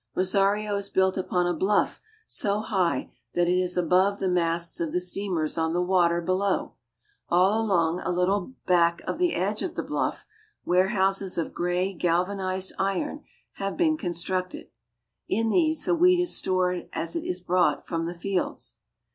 Rosario is built upon a bluff so high that it is above the masts of the steam ers on the water be low. All along, a little back of the edge of the bluff, warehouses of gray galvanized iron have been constructed. In these the wheat is stored as it is brought from 'the fields.